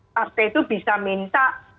partai itu bisa minta